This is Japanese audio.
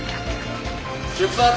出発。